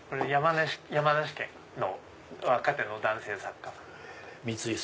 山梨県の若手の男性作家の方。